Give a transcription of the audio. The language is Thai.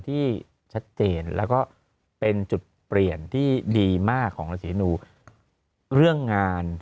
ที่ชัดเจนแล้วก็เป็นจุดเปลี่ยนที่ดีมากของราศีนูเรื่องงาน